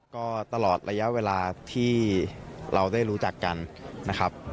ก็ตลอดระยะเวลาที่เราได้รู้จักกันนะครับ